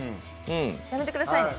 やめてくださいね。